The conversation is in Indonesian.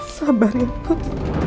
sabar ya pak